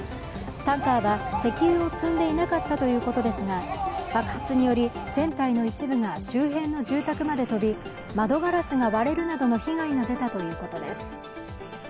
タンカーは石油を積んでいなかったということですが爆発により船体の一部が周辺の住宅まで飛び窓ガラスが割れるなどの被害が出たということです。